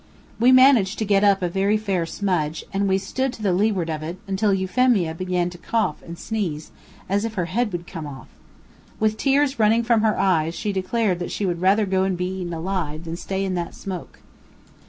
We managed to get up a very fair smudge, and we stood to the leeward of it, until Euphemia began to cough and sneeze, as if her head would come off. With tears running from her eyes, she declared that she would rather go and be eaten alive, than stay in that smoke.